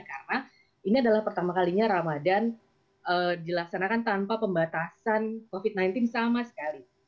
karena ini adalah pertama kalinya ramadan dilaksanakan tanpa pembatasan covid sembilan belas sama sekali